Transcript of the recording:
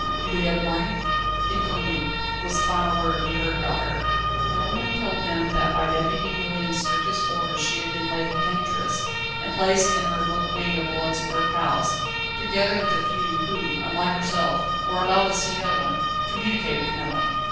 "Juliette Marny? Inconnue," was the final word he heard about her. No one told him that by Deputy Merlin's strictest orders she had been labelled "dangerous," and placed in a remote wing of the Luxembourg Palace, together with a few, who, like herself, were allowed to see no one, communicate with no one.